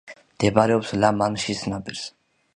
მდებარეობს ლა-მანშის ნაპირზე.